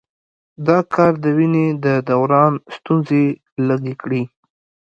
دا کار د وینې د دوران ستونزې لږې کړي.